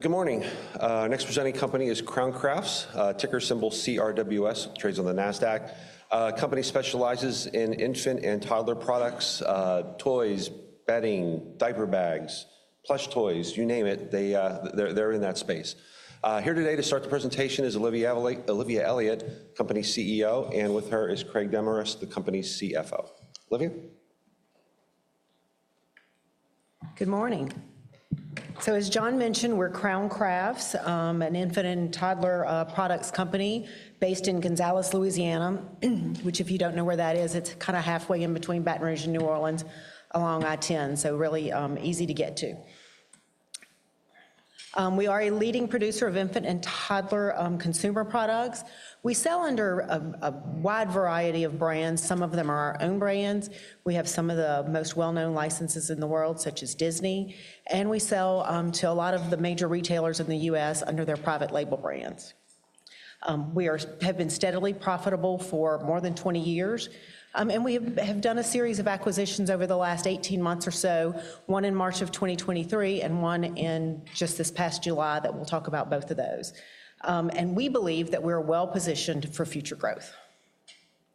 Good morning. Next presenting company is Crown Crafts, ticker symbol CRWS, trades on the NASDAQ. The company specializes in infant and toddler products, toys, bedding, diaper bags, plush toys, you name it, they're in that space. Here today to start the presentation is Olivia Elliott, Company CEO, and with her is Craig Demarest, the Company CFO. Olivia? Good morning. So, as John mentioned, we're Crown Crafts, an infant and toddler products company based in Gonzales, Louisiana, which, if you don't know where that is, it's kind of halfway in between Baton Rouge and New Orleans along I-10, so really easy to get to. We are a leading producer of infant and toddler consumer products. We sell under a wide variety of brands. Some of them are our own brands. We have some of the most well-known licenses in the world, such as Disney, and we sell to a lot of the major retailers in the U.S. under their private label brands. We have been steadily profitable for more than 20 years, and we have done a series of acquisitions over the last 18 months or so, one in March of 2023 and one in just this past July that we'll talk about both of those. We believe that we're well-positioned for future growth.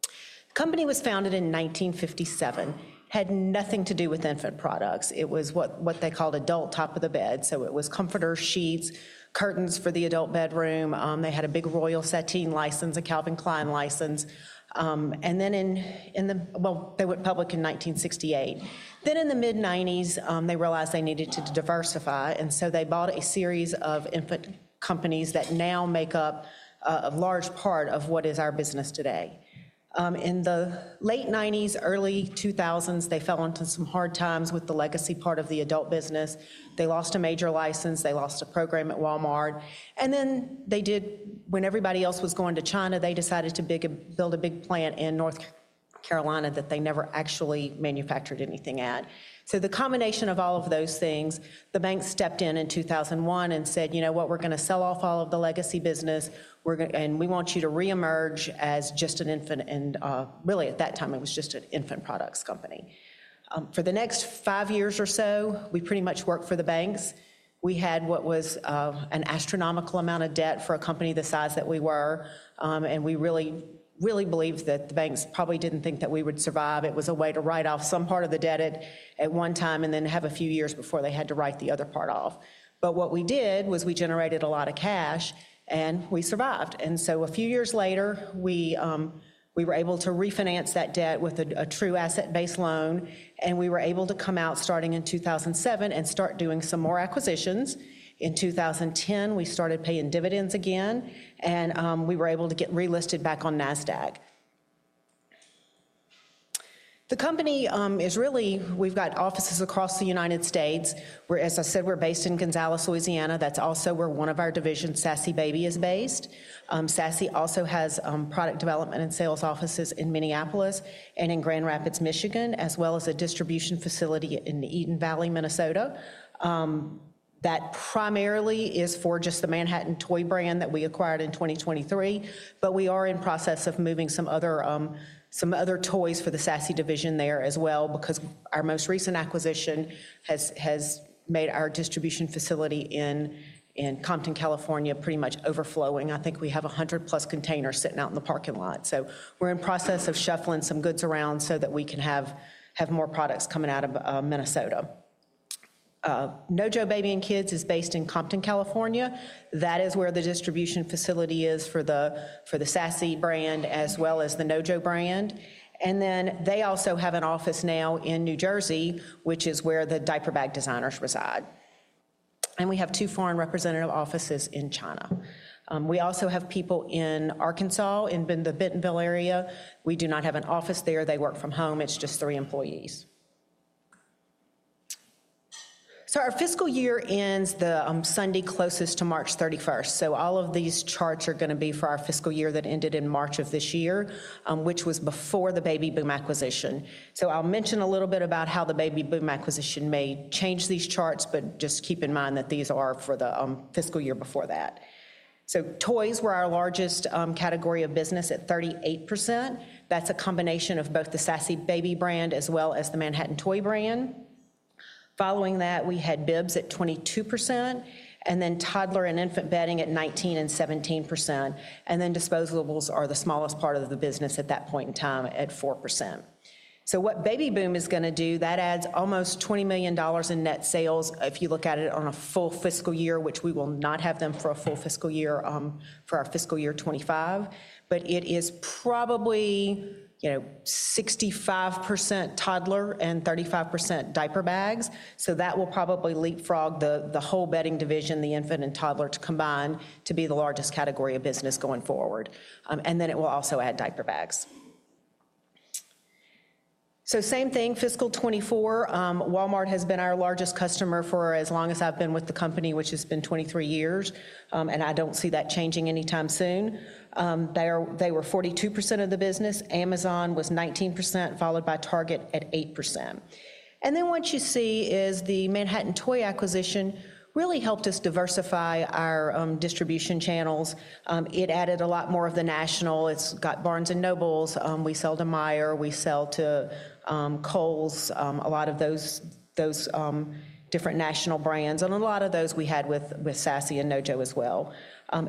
The company was founded in 1957, had nothing to do with infant products. It was what they called adult top of the bed, so it was comforters, sheets, curtains for the adult bedroom. They had a big Royal Sateen license, a Calvin Klein license, and then in the, well, they went public in 1968. Then, in the mid-1990s, they realized they needed to diversify, and so they bought a series of infant companies that now make up a large part of what is our business today. In the late 1990s, early 2000s, they fell into some hard times with the legacy part of the adult business. They lost a major license. They lost a program at Walmart. And then they did, when everybody else was going to China, they decided to build a big plant in North Carolina that they never actually manufactured anything at. So, the combination of all of those things, the bank stepped in in 2001 and said, you know what, we're going to sell off all of the legacy business, and we want you to reemerge as just an infant, and really, at that time, it was just an infant products company. For the next five years or so, we pretty much worked for the banks. We had what was an astronomical amount of debt for a company the size that we were, and we really, really believed that the banks probably didn't think that we would survive. It was a way to write off some part of the debt at one time and then have a few years before they had to write the other part off, but what we did was we generated a lot of cash, and we survived, and so a few years later, we were able to refinance that debt with a true asset-based loan, and we were able to come out starting in 2007 and start doing some more acquisitions. In 2010, we started paying dividends again, and we were able to get relisted back on NASDAQ. The company is really. We've got offices across the United States. We're, as I said, based in Gonzales, Louisiana. That's also where one of our divisions, Sassy Baby, is based. Sassy also has product development and sales offices in Minneapolis and in Grand Rapids, Michigan, as well as a distribution facility in Eden Valley, Minnesota. That primarily is for just the Manhattan Toy brand that we acquired in 2023, but we are in process of moving some other toys for the Sassy division there as well because our most recent acquisition has made our distribution facility in Compton, California, pretty much overflowing. I think we have 100+ containers sitting out in the parking lot. So, we're in process of shuffling some goods around so that we can have more products coming out of Minnesota. NoJo Baby & Kids is based in Compton, California. That is where the distribution facility is for the Sassy brand as well as the NoJo brand, and then they also have an office now in New Jersey, which is where the diaper bag designers reside. We have two foreign representative offices in China. We also have people in Arkansas in the Bentonville area. We do not have an office there. They work from home. It's just three employees. Our fiscal year ends the Sunday closest to March 31st. All of these charts are going to be for our fiscal year that ended in March of this year, which was before the Baby Boom acquisition. I'll mention a little bit about how the Baby Boom acquisition may change these charts, but just keep in mind that these are for the fiscal year before that. Toys were our largest category of business at 38%. That's a combination of both the Sassy Baby brand as well as the Manhattan Toy brand. Following that, we had bibs at 22%, and then toddler and infant bedding at 19% and 17%. And then disposables are the smallest part of the business at that point in time at 4%. So, what Baby Boom is going to do, that adds almost $20 million in net sales if you look at it on a full fiscal year, which we will not have them for a full fiscal year for our fiscal year 2025, but it is probably 65% toddler and 35% diaper bags. So, that will probably leapfrog the whole bedding division, the infant and toddler, to combine to be the largest category of business going forward. And then it will also add diaper bags. So, same thing, fiscal 2024, Walmart has been our largest customer for as long as I've been with the company, which has been 23 years, and I don't see that changing anytime soon. They were 42% of the business. Amazon was 19%, followed by Target at 8%. And then what you see is the Manhattan Toy acquisition really helped us diversify our distribution channels. It added a lot more of the national. It's got Barnes & Noble. We sell to Meijer. We sell to Kohl's, a lot of those different national brands. And a lot of those we had with Sassy and NoJo as well.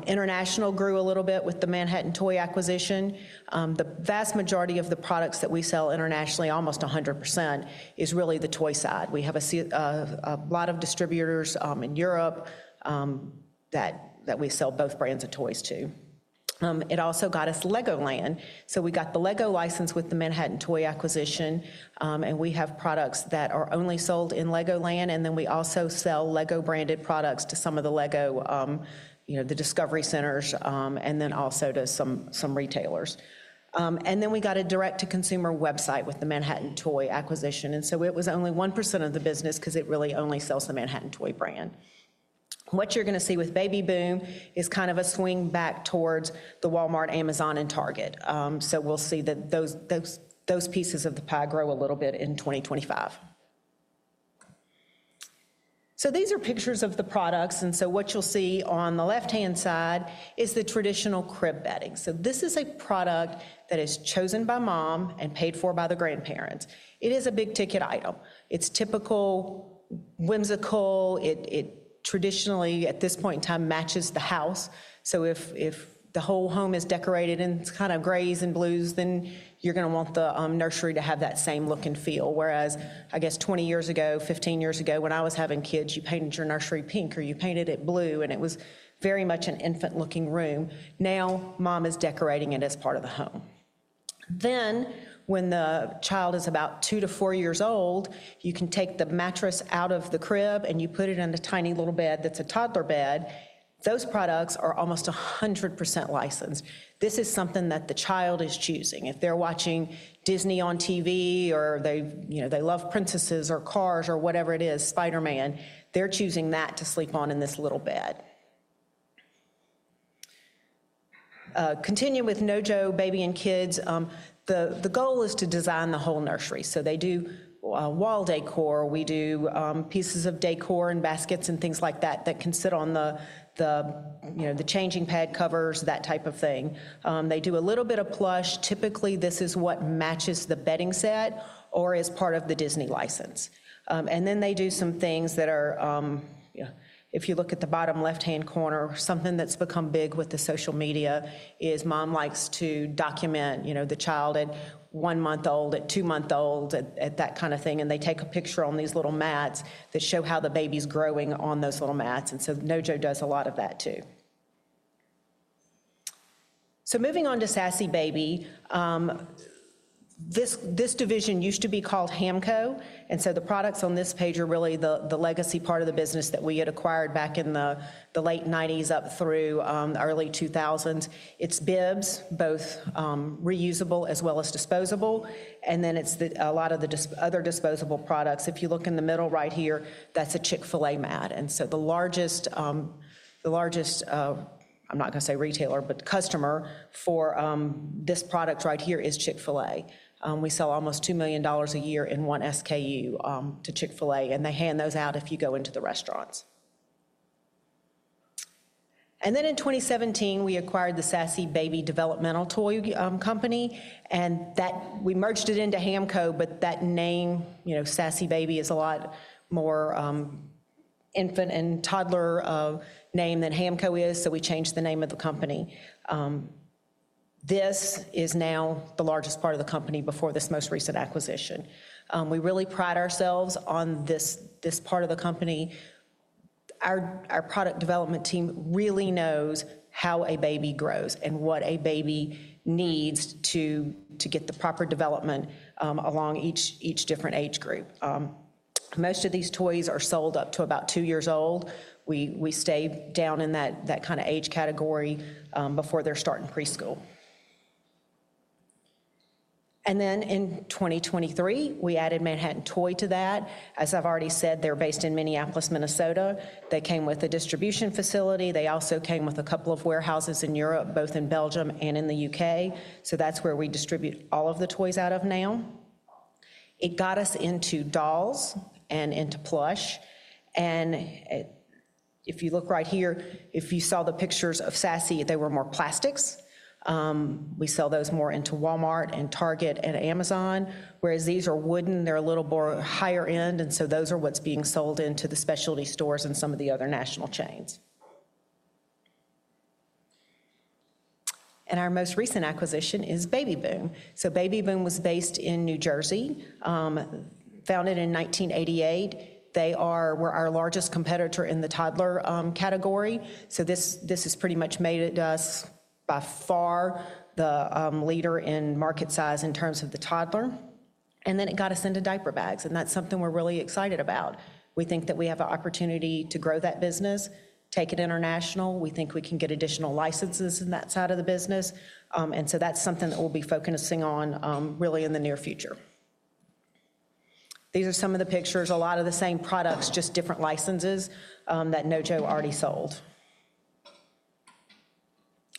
International grew a little bit with the Manhattan Toy acquisition. The vast majority of the products that we sell internationally, almost 100%, is really the toy side. We have a lot of distributors in Europe that we sell both brands of toys to. It also got us LEGOLAND. So, we got the LEGO license with the Manhattan Toy acquisition, and we have products that are only sold in LEGOLAND. And then we also sell LEGO-branded products to some of the LEGO, the Discovery Centers, and then also to some retailers. And then we got a direct-to-consumer website with the Manhattan Toy acquisition. And so, it was only 1% of the business because it really only sells the Manhattan Toy brand. What you're going to see with Baby Boom is kind of a swing back towards the Walmart, Amazon, and Target. So, we'll see that those pieces of the pie grow a little bit in 2025. So, these are pictures of the products. And so, what you'll see on the left-hand side is the traditional crib bedding. So, this is a product that is chosen by mom and paid for by the grandparents. It is a big-ticket item. It's typical, whimsical. It traditionally, at this point in time, matches the house. So, if the whole home is decorated in kind of grays and blues, then you're going to want the nursery to have that same look and feel. Whereas, I guess 20 years ago, 15 years ago, when I was having kids, you painted your nursery pink or you painted it blue, and it was very much an infant-looking room. Now, mom is decorating it as part of the home. Then, when the child is about two to four years old, you can take the mattress out of the crib and you put it in a tiny little bed that's a toddler bed. Those products are almost 100% licensed. This is something that the child is choosing. If they're watching Disney on TV or they love princesses or Cars or whatever it is, Spider-Man, they're choosing that to sleep on in this little bed. Continuing with NoJo Baby & Kids, the goal is to design the whole nursery. So, they do wall decor. We do pieces of decor and baskets and things like that that can sit on the changing pad covers, that type of thing. They do a little bit of plush. Typically, this is what matches the bedding set or is part of the Disney license, and then they do some things that are, if you look at the bottom left-hand corner, something that's become big with the social media is mom likes to document the child at one month old, at two month old, at that kind of thing, and they take a picture on these little mats that show how the baby's growing on those little mats, and so NoJo does a lot of that too, so moving on to Sassy Baby, this division used to be called Hamco. And so, the products on this page are really the legacy part of the business that we had acquired back in the late 1990s up through the early 2000s. It's bibs, both reusable as well as disposable. And then it's a lot of the other disposable products. If you look in the middle right here, that's a Chick-fil-A mat. And so, the largest, I'm not going to say retailer, but customer for this product right here is Chick-fil-A. We sell almost $2 million a year in one SKU to Chick-fil-A, and they hand those out if you go into the restaurants. And then in 2017, we acquired the Sassy Baby Developmental Toy Company. And we merged it into Hamco, but that name, Sassy Baby, is a lot more infant and toddler name than Hamco is. So, we changed the name of the company. This is now the largest part of the company before this most recent acquisition. We really pride ourselves on this part of the company. Our product development team really knows how a baby grows and what a baby needs to get the proper development along each different age group. Most of these toys are sold up to about two years old. We stay down in that kind of age category before they're starting preschool, and then in 2023, we added Manhattan Toy to that. As I've already said, they're based in Minneapolis, Minnesota. They came with a distribution facility. They also came with a couple of warehouses in Europe, both in Belgium and in the U.K. So that's where we distribute all of the toys out of now. It got us into dolls and into plush. And if you look right here, if you saw the pictures of Sassy, they were more plastics. We sell those more into Walmart and Target and Amazon, whereas these are wooden. They're a little more higher end. And so, those are what's being sold into the specialty stores and some of the other national chains. And our most recent acquisition is Baby Boom. So, Baby Boom was based in New Jersey, founded in 1988. They were our largest competitor in the toddler category. So, this has pretty much made us by far the leader in market size in terms of the toddler. And then it got us into diaper bags, and that's something we're really excited about. We think that we have an opportunity to grow that business, take it international. We think we can get additional licenses in that side of the business. So, that's something that we'll be focusing on really in the near future. These are some of the pictures, a lot of the same products, just different licenses that NoJo already sold.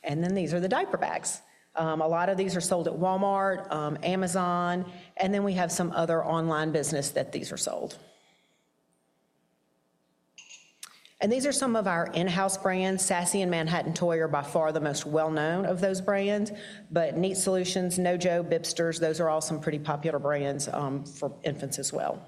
And then these are the diaper bags. A lot of these are sold at Walmart, Amazon, and then we have some other online business that these are sold. And these are some of our in-house brands. Sassy and Manhattan Toy are by far the most well-known of those brands, but Neat Solutions, NoJo, Bibsters, those are all some pretty popular brands for infants as well.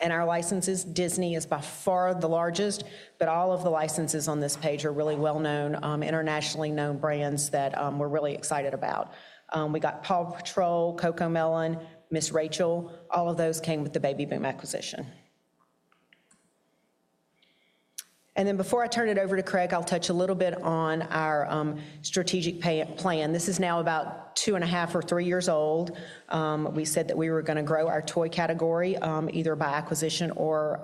And our licenses, Disney is by far the largest, but all of the licenses on this page are really well-known, internationally known brands that we're really excited about. We got PAW Patrol, CoComelon, Ms. Rachel. All of those came with the Baby Boom acquisition. And then before I turn it over to Craig, I'll touch a little bit on our strategic plan. This is now about two and a half or three years old. We said that we were going to grow our toy category either by acquisition or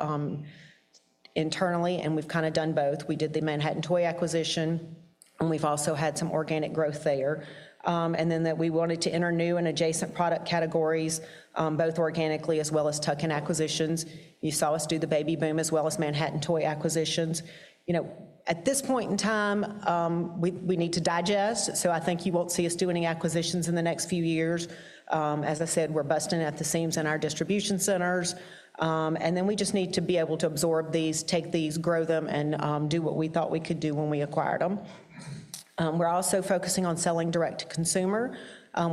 internally, and we've kind of done both. We did the Manhattan Toy acquisition, and we've also had some organic growth there. And then that we wanted to enter new and adjacent product categories, both organically as well as tuck-in acquisitions. You saw us do the Baby Boom as well as Manhattan Toy acquisitions. At this point in time, we need to digest. So, I think you won't see us do any acquisitions in the next few years. As I said, we're busting at the seams in our distribution centers. And then we just need to be able to absorb these, take these, grow them, and do what we thought we could do when we acquired them. We're also focusing on selling direct-to-consumer.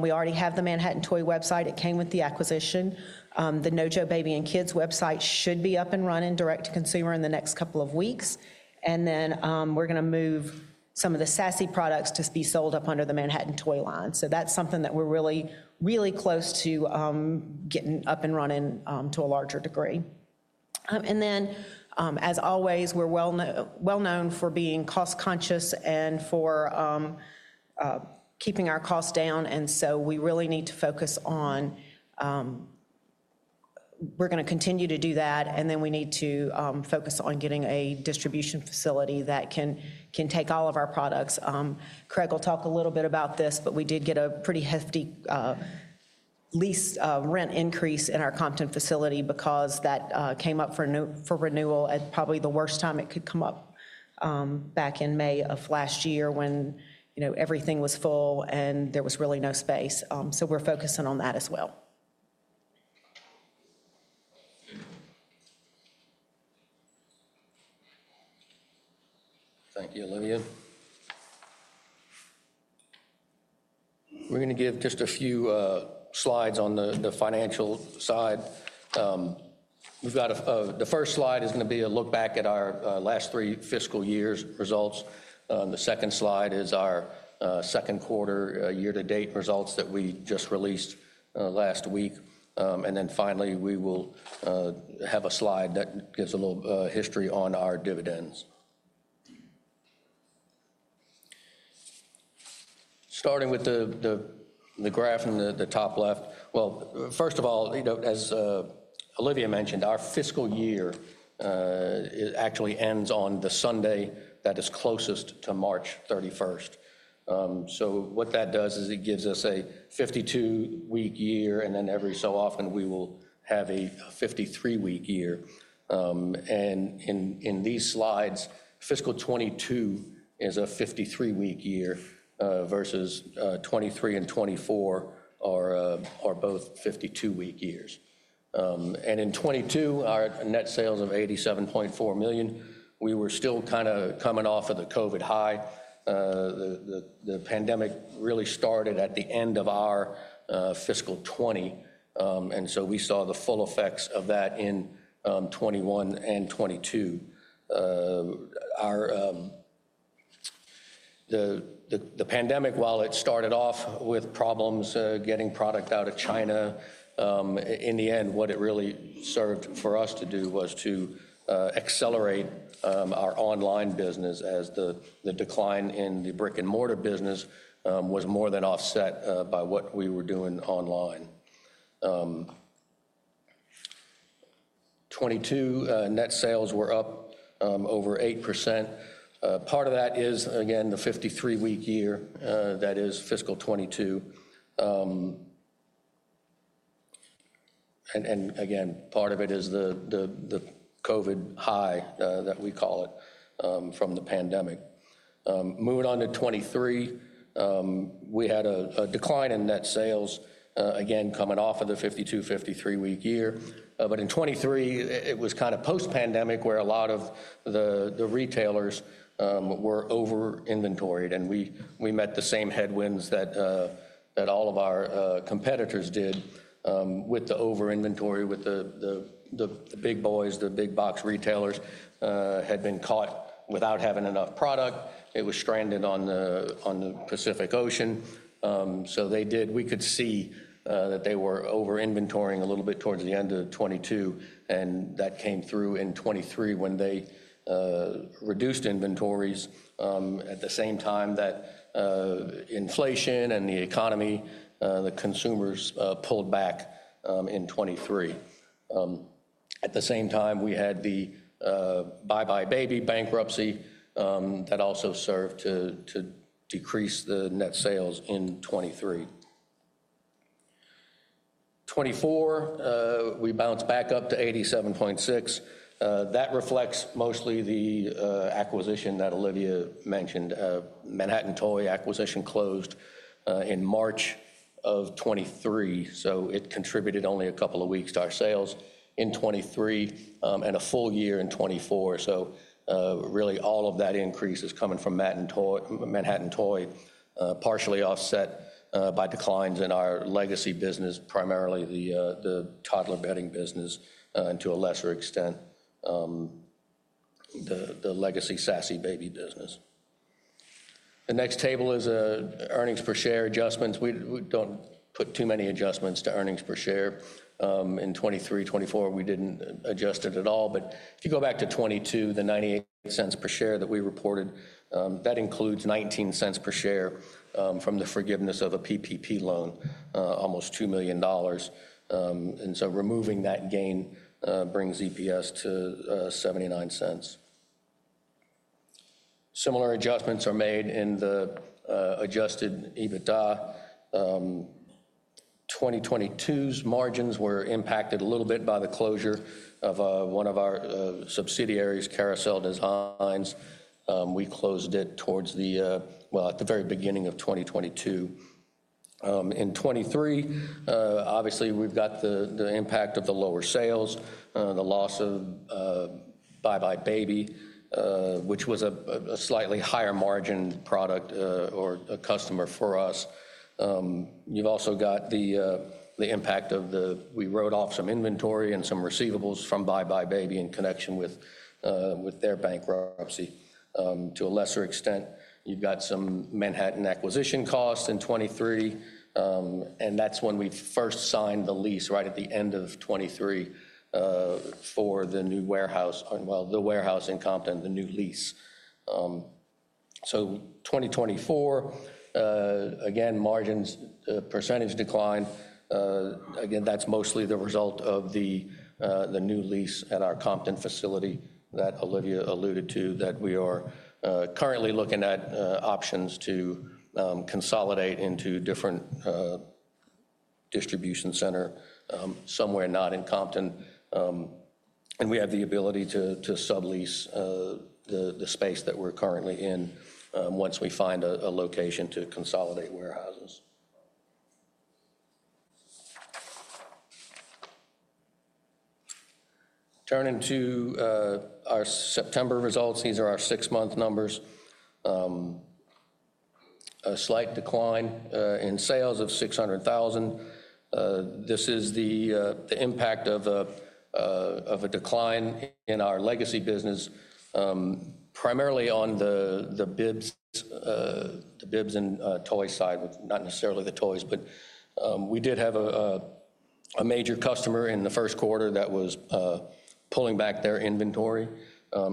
We already have the Manhattan Toy website. It came with the acquisition. The NoJo Baby & Kids website should be up and running direct-to-consumer in the next couple of weeks. And then we're going to move some of the Sassy products to be sold up under the Manhattan Toy line. So, that's something that we're really, really close to getting up and running to a larger degree. And then, as always, we're well-known for being cost-conscious and for keeping our costs down. And so, we really need to focus on, we're going to continue to do that. And then we need to focus on getting a distribution facility that can take all of our products. Craig will talk a little bit about this, but we did get a pretty hefty lease rent increase in our Compton facility because that came up for renewal at probably the worst time it could come up back in May of last year when everything was full and there was really no space. So, we're focusing on that as well. Thank you, Olivia. We're going to give just a few slides on the financial side. The first slide is going to be a look back at our last three fiscal years' results. The second slide is our second quarter year-to-date results that we just released last week. And then finally, we will have a slide that gives a little history on our dividends. Starting with the graph in the top left, well, first of all, as Olivia mentioned, our fiscal year actually ends on the Sunday that is closest to March 31st. So, what that does is it gives us a 52-week year, and then every so often we will have a 53-week year. And in these slides, fiscal 2022 is a 53-week year versus 2023 and 2024 are both 52-week years. And in 2022, our net sales of $87.4 million, we were still kind of coming off of the COVID high. The pandemic really started at the end of our fiscal 2020. And so, we saw the full effects of that in 2021 and 2022. The pandemic, while it started off with problems getting product out of China, in the end, what it really served for us to do was to accelerate our online business as the decline in the brick-and-mortar business was more than offset by what we were doing online. 2022 net sales were up over 8%. Part of that is, again, the 53-week year that is fiscal 2022. And again, part of it is the COVID high that we call it from the pandemic. Moving on to 2023, we had a decline in net sales, again, coming off of the 52-53-week year. But in 2023, it was kind of post-pandemic where a lot of the retailers were over-inventoried. And we met the same headwinds that all of our competitors did with the over-inventory, with the big boys, the big box retailers had been caught without having enough product. It was stranded on the Pacific Ocean. We could see that they were over-inventorying a little bit towards the end of 2022. That came through in 2023 when they reduced inventories at the same time that inflation and the economy, the consumers pulled back in 2023. At the same time, we had the buybuy BABY bankruptcy that also served to decrease the net sales in 2023. In 2024, we bounced back up to $87.6. That reflects mostly the acquisition that Olivia mentioned. Manhattan Toy acquisition closed in March of 2023. It contributed only a couple of weeks to our sales in 2023 and a full year in 2024. Really, all of that increase is coming from Manhattan Toy, partially offset by declines in our legacy business, primarily the toddler bedding business and to a lesser extent the legacy Sassy Baby business. The next table is Earnings Per Share adjustments. We don't put too many adjustments to Earnings Per Share. In 2023, 2024, we didn't adjust it at all, but if you go back to 2022, the $0.98 per share that we reported, that includes $0.19 per share from the forgiveness of a PPP loan, almost $2 million, and so removing that gain brings EPS to $0.79. Similar adjustments are made in the adjusted EBITDA. 2022's margins were impacted a little bit by the closure of one of our subsidiaries, Carousel Designs. We closed it towards the, well, at the very beginning of 2022. In 2023, obviously, we've got the impact of the lower sales, the loss of buybuy BABY, which was a slightly higher margin product or a customer for us. You've also got the impact of the, we wrote off some inventory and some receivables from buybuy BABY in connection with their bankruptcy. To a lesser extent, you've got some Manhattan acquisition costs in 2023. And that's when we first signed the lease right at the end of 2023 for the new warehouse, well, the warehouse in Compton, the new lease. So, 2024, again, margins, percentage decline. Again, that's mostly the result of the new lease at our Compton facility that Olivia alluded to that we are currently looking at options to consolidate into different distribution centers somewhere not in Compton. And we have the ability to sublease the space that we're currently in once we find a location to consolidate warehouses. Turning to our September results, these are our six-month numbers. A slight decline in sales of $600,000. This is the impact of a decline in our legacy business, primarily on the bibs and toy side, not necessarily the toys. But we did have a major customer in the first quarter that was pulling back their inventory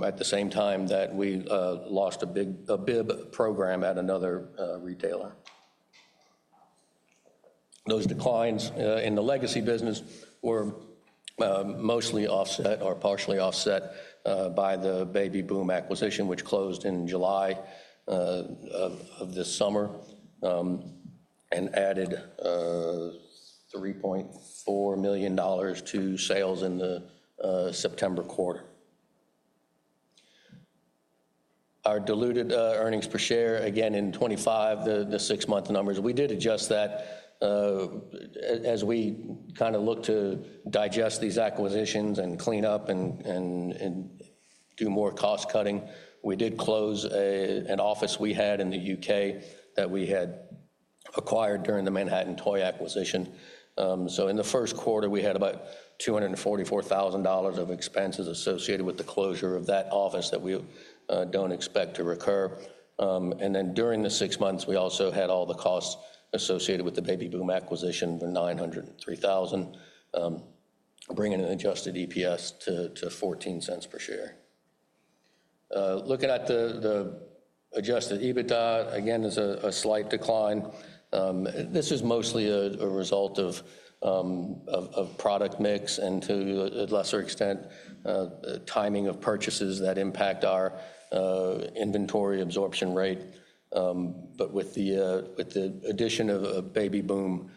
at the same time that we lost a bib program at another retailer. Those declines in the legacy business were mostly offset or partially offset by the Baby Boom acquisition, which closed in July of this summer and added $3.4 million to sales in the September quarter. Our diluted earnings per share, again, in 25, the six-month numbers. We did adjust that as we kind of looked to digest these acquisitions and clean up and do more cost cutting. We did close an office we had in the U.K. that we had acquired during the Manhattan Toy acquisition. In the first quarter, we had about $244,000 of expenses associated with the closure of that office that we don't expect to recur. And then during the six months, we also had all the costs associated with the Baby Boom acquisition for $903,000, bringing an adjusted EPS to $0.14 per share. Looking at the adjusted EBITDA, again, there's a slight decline. This is mostly a result of product mix and to a lesser extent, timing of purchases that impact our inventory absorption rate. But with the addition of Baby Boom,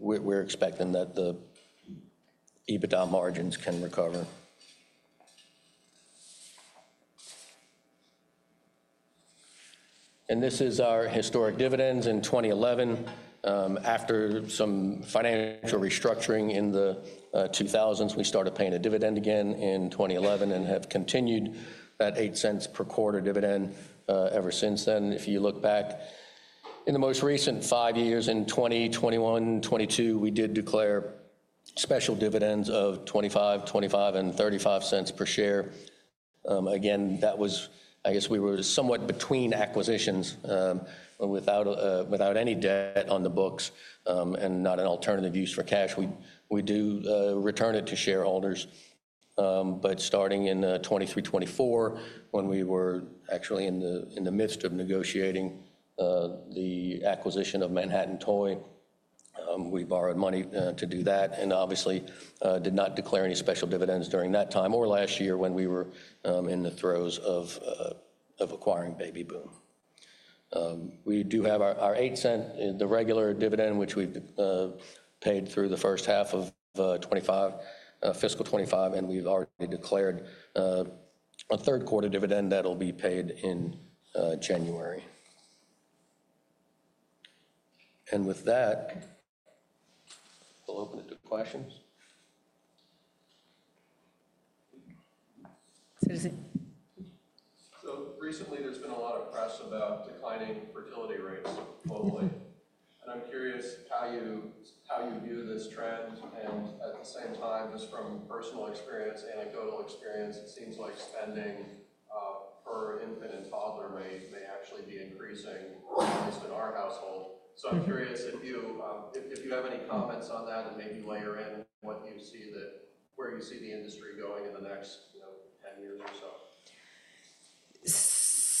we're expecting that the EBITDA margins can recover. And this is our historic dividends in 2011. After some financial restructuring in the 2000s, we started paying a dividend again in 2011 and have continued that $0.08 per quarter dividend ever since then. If you look back in the most recent five years in 2021, 2022, we did declare special dividends of $0.25, $0.25, and $0.35 per share. Again, that was, I guess we were somewhat between acquisitions without any debt on the books and not an alternative use for cash. We do return it to shareholders. But starting in 2023, 2024, when we were actually in the midst of negotiating the acquisition of Manhattan Toy, we borrowed money to do that and obviously did not declare any special dividends during that time or last year when we were in the throes of acquiring Baby Boom. We do have our $0.08, the regular dividend, which we've paid through the first half of fiscal 2025, and we've already declared a third quarter dividend that'll be paid in January. And with that, we'll open it to questions. Recently, there's been a lot of press about declining fertility rates globally. I'm curious how you view this trend. At the same time, just from personal experience, anecdotal experience, it seems like spending per infant and toddler may actually be increasing at least in our household. I'm curious if you have any comments on that and maybe layer in what you see that where you see the industry going in the next 10 years or so.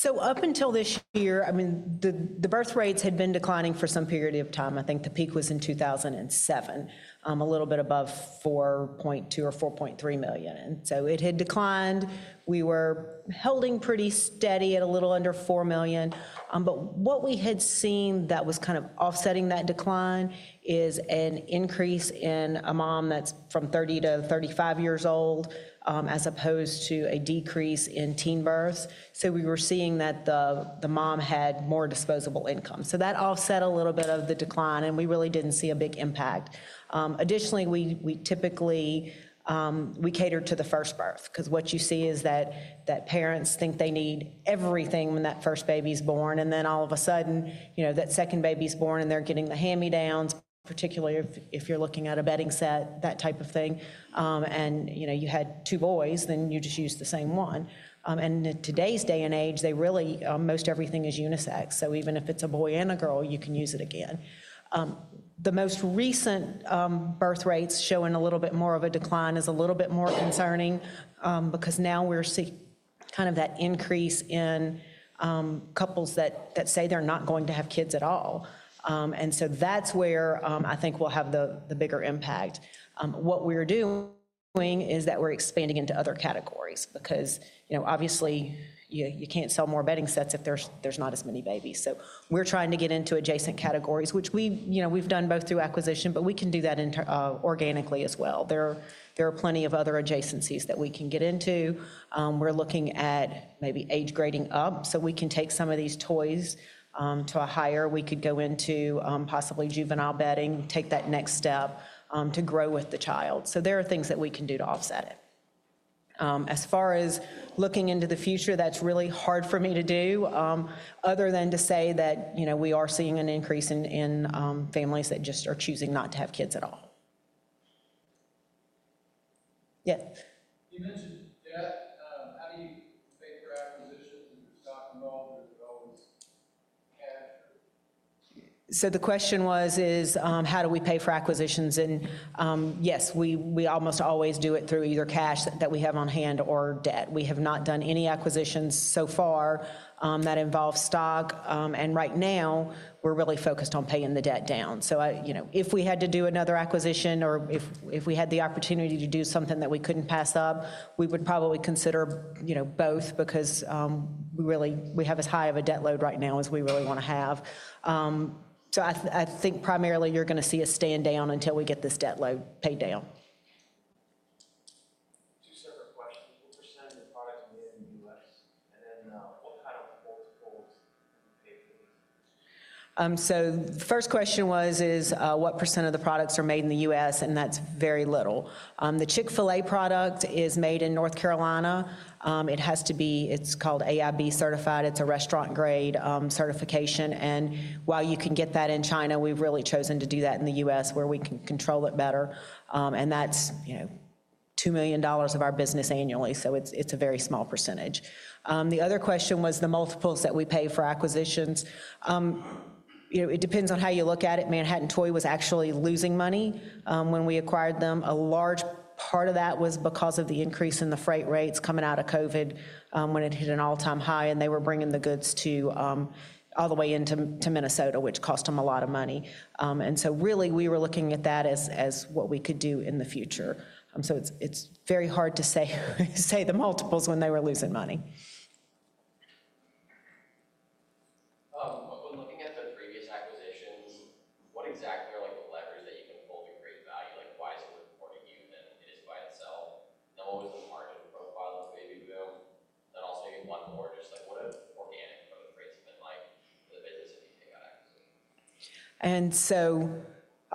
So, up until this year, I mean, the birth rates had been declining for some period of time. I think the peak was in 2007, a little bit above 4.2 or 4.3 million. And so, it had declined. We were holding pretty steady at a little under 4 million. But what we had seen that was kind of offsetting that decline is an increase in a mom that's from 30 to 35 years old as opposed to a decrease in teen births. So, we were seeing that the mom had more disposable income. So, that offset a little bit of the decline, and we really didn't see a big impact. Additionally, we typically cater to the first birth because what you see is that parents think they need everything when that first baby's born. And then all of a sudden, that second baby's born and they're getting the hand-me-downs, particularly if you're looking at a bedding set, that type of thing. And you had two boys, then you just use the same one. And in today's day and age, most everything is unisex. So, even if it's a boy and a girl, you can use it again. The most recent birth rates showing a little bit more of a decline is a little bit more concerning because now we're seeing kind of that increase in couples that say they're not going to have kids at all. And so, that's where I think we'll have the bigger impact. What we're doing is that we're expanding into other categories because obviously, you can't sell more bedding sets if there's not as many babies. We're trying to get into adjacent categories, which we've done both through acquisition, but we can do that organically as well. There are plenty of other adjacencies that we can get into. We're looking at maybe age grading up. We can take some of these toys to a higher. We could go into possibly juvenile bedding, take that next step to grow with the child. There are things that we can do to offset it. As far as looking into the future, that's really hard for me to do other than to say that we are seeing an increase in families that just are choosing not to have kids at all. Yeah. You mentioned debt. How do you pay for acquisitions? Is there stock involved? Is it always cash? So, the question was, how do we pay for acquisitions? And yes, we almost always do it through either cash that we have on hand or debt. We have not done any acquisitions so far that involve stock. And right now, we're really focused on paying the debt down. So, if we had to do another acquisition or if we had the opportunity to do something that we couldn't pass up, we would probably consider both because we have as high of a debt load right now as we really want to have. So, I think primarily you're going to see a stand down until we get this debt load paid down. Two separate questions. What percent of the products are made in the U.S.? And then what kind of multiple do you pay for these? So, the first question was, what percent of the products are made in the U.S.? And that's very little. The Chick-fil-A product is made in North Carolina. It has to be, it's called AIB Certified. It's a restaurant-grade certification. And while you can get that in China, we've really chosen to do that in the U.S. where we can control it better. And that's $2 million of our business annually. So, it's a very small percentage. The other question was the multiples that we pay for acquisitions. It depends on how you look at it. Manhattan Toy was actually losing money when we acquired them. A large part of that was because of the increase in the freight rates coming out of COVID when it hit an all-time high. And they were bringing the goods all the way into Minnesota, which cost them a lot of money. And so, really, we were looking at that as what we could do in the future. So, it's very hard to say the multiples when they were losing money.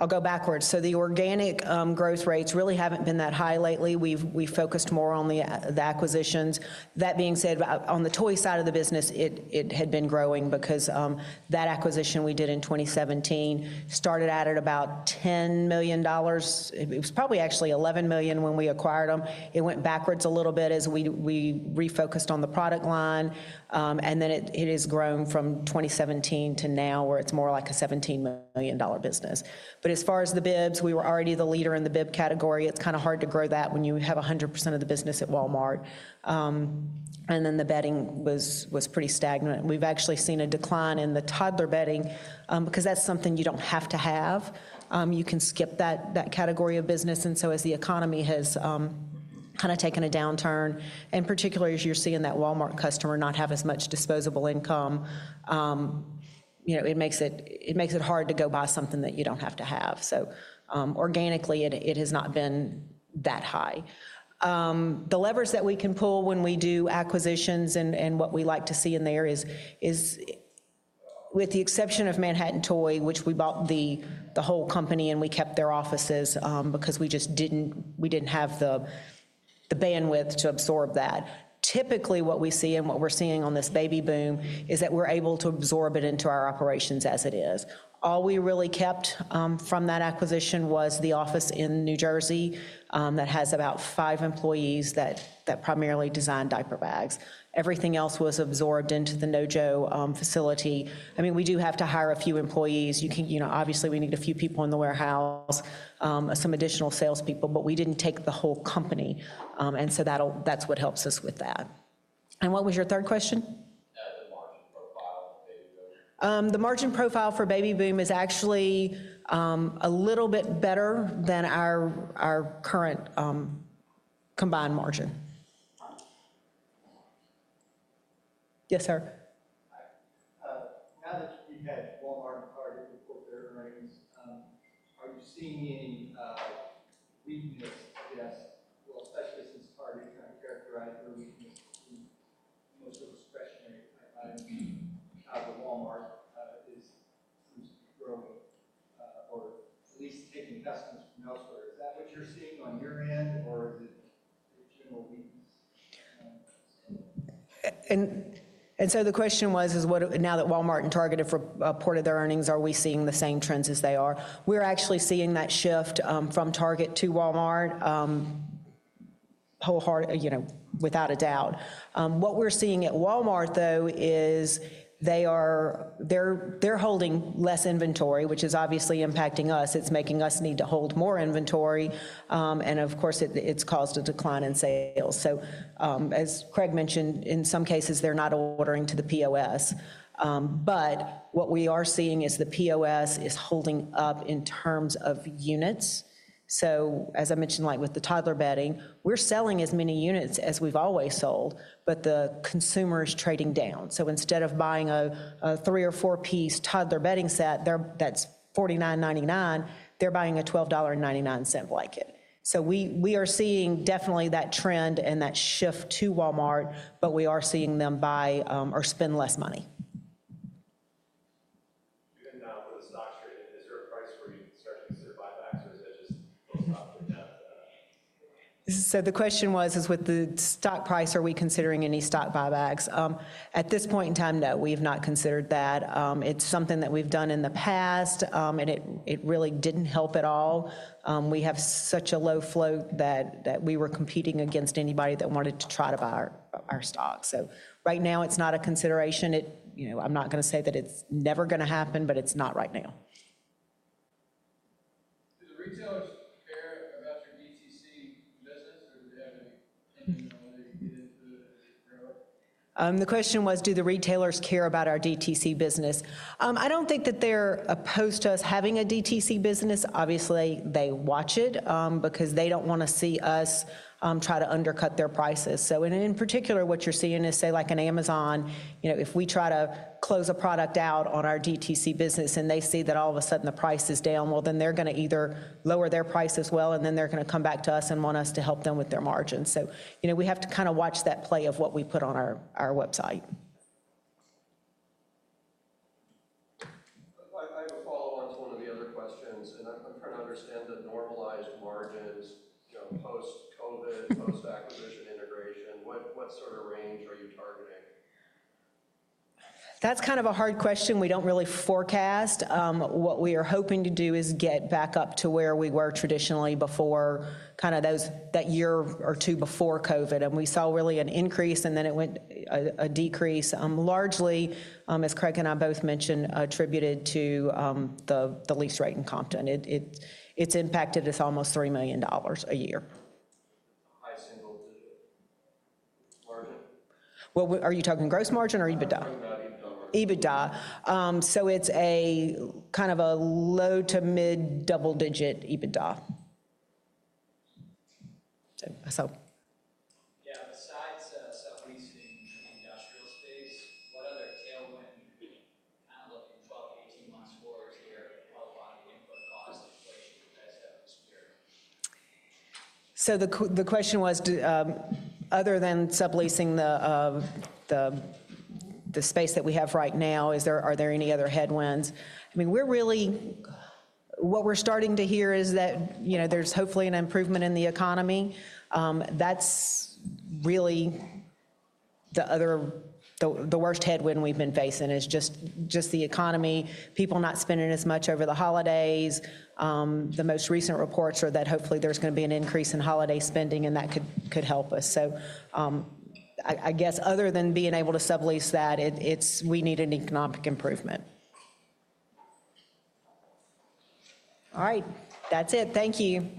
rates been like for the business if you think about acquisition? I'll go backwards. The organic growth rates really haven't been that high lately. We've focused more on the acquisitions. That being said, on the toy side of the business, it had been growing because that acquisition we did in 2017 started out at about $10 million. It was probably actually $11 million when we acquired them. It went backwards a little bit as we refocused on the product line. It has grown from 2017 to now where it's more like a $17 million business. As far as the bibs, we were already the leader in the bib category. It's kind of hard to grow that when you have 100% of the business at Walmart. The bedding was pretty stagnant. We've actually seen a decline in the toddler bedding because that's something you don't have to have. You can skip that category of business, and so, as the economy has kind of taken a downturn, in particular, as you're seeing that Walmart customer not have as much disposable income, it makes it hard to go buy something that you don't have to have, so organically, it has not been that high. The levers that we can pull when we do acquisitions and what we like to see in there is, with the exception of Manhattan Toy, which we bought the whole company and we kept their offices because we just didn't have the bandwidth to absorb that. Typically, what we see and what we're seeing on this Baby Boom is that we're able to absorb it into our operations as it is. All we really kept from that acquisition was the office in New Jersey that has about five employees that primarily design diaper bags. Everything else was absorbed into the NoJo facility. I mean, we do have to hire a few employees. Obviously, we need a few people in the warehouse, some additional salespeople, but we didn't take the whole company. And so, that's what helps us with that. And what was your third question? The margin profile for Baby Boom. The margin profile for Baby Boom is actually a little bit better than our current combined margin. Yes, sir. Now that you've had Walmart and Target report their earnings, are you seeing any weakness, I guess, especially since Target kind of characterized their weakness in most of its essentials items, how Walmart seems to be growing or at least taking customers from elsewhere? Is that what you're seeing on your end, or is it a general weakness? The question was, now that Walmart and Target have reported their earnings, are we seeing the same trends as they are? We're actually seeing that shift from Target to Walmart without a doubt. What we're seeing at Walmart, though, is they're holding less inventory, which is obviously impacting us. It's making us need to hold more inventory. And of course, it's caused a decline in sales. So, as Craig mentioned, in some cases, they're not ordering to the POS. But what we are seeing is the POS is holding up in terms of units. So, as I mentioned, with the toddler bedding, we're selling as many units as we've always sold, but the consumer is trading down. So, instead of buying a three or four-piece toddler bedding set that's $49.99, they're buying a $12.99 blanket. So, we are seeing definitely that trend and that shift to Walmart, but we are seeing them buy or spend less money. Even now, for the stock trading, is there a price where you'd start to consider buybacks, or is that just most probably not? So, the question was, with the stock price, are we considering any stock buybacks? At this point in time, no, we have not considered that. It's something that we've done in the past, and it really didn't help at all. We have such a low float that we were competing against anybody that wanted to try to buy our stock. So, right now, it's not a consideration. I'm not going to say that it's never going to happen, but it's not right now. Do the retailers care about your DTC business, or do they have any incentive in order to get into it and grow it? The question was, do the retailers care about our DTC business? I don't think that they're opposed to us having a DTC business. Obviously, they watch it because they don't want to see us try to undercut their prices. So, in particular, what you're seeing is, say, like an Amazon, if we try to close a product out on our DTC business and they see that all of a sudden the price is down, well, then they're going to either lower their price as well, and then they're going to come back to us and want us to help them with their margins. So, we have to kind of watch that play of what we put on our website. I have a follow-on to one of the other questions. And I'm trying to understand the normalized margins post-COVID, post-acquisition integration. What sort of range are you targeting? That's kind of a hard question. We don't really forecast. What we are hoping to do is get back up to where we were traditionally before kind of that year or two before COVID. And we saw really an increase, and then it went a decrease, largely, as Craig and I both mentioned, attributed to the lease rate in Compton. It's impacted us almost $3 million a year. High single-digit margin? Are you talking gross margin or EBITDA? EBITDA. EBITDA. So, it's kind of a low to mid double-digit EBITDA. Yeah. Besides subleasing industrial space, what other tailwind kind of looking 12-18 months forward to your qualifying input cost inflation you guys have this year? So, the question was, other than subleasing the space that we have right now, are there any other headwinds? I mean, what we're starting to hear is that there's hopefully an improvement in the economy. That's really the worst headwind we've been facing is just the economy, people not spending as much over the holidays. The most recent reports are that hopefully there's going to be an increase in holiday spending, and that could help us. So, I guess other than being able to sublease that, we need an economic improvement. All right. That's it. Thank you.